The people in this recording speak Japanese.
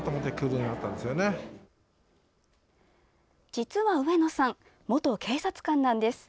実は、上野さん元警察官なんです。